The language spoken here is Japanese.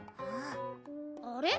あれ？